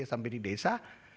sampai di desa